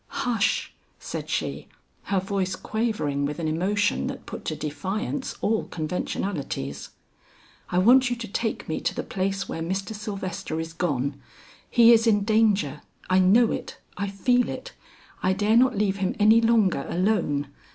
"Hush!" said she, her voice quavering with an emotion that put to defiance all conventionalities, "I want you to take me to the place where Mr. Sylvester is gone. He is in danger; I know it, I feel it. I dare not leave him any longer alone.